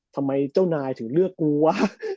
ทำไมเจ้านายถึงเลือกกูวะ